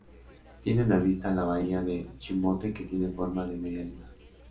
Tiene una vista a la bahía de Chimbote que tiene forma de media luna.